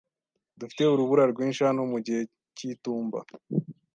Dufite urubura rwinshi hano mu gihe cy'itumba.